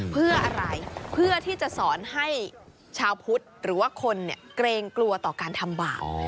เพื่ออะไรเพื่อที่จะสอนให้ชาวพุทธหรือว่าคนเกรงกลัวต่อการทำบาป